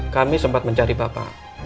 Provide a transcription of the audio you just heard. kami sempat mencari bapak